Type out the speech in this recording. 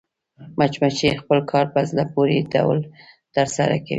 مچمچۍ خپل کار په زړه پورې ډول ترسره کوي